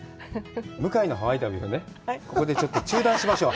向井のハワイ旅はね、ここでちょっと中断しましょう。